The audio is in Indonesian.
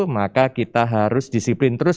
maka kita harus disiplin terus